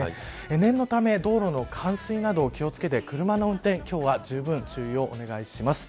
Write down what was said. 念のため道路の冠水など、気を付けて車の運転、今日はじゅうぶん注意をお願いします。